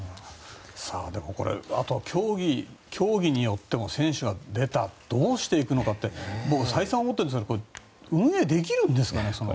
これはあとは競技によっても、選手が出たらどうしていくのかって再三思っていますが運営できるんですかね？